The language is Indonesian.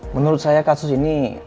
menurut saya kasus ini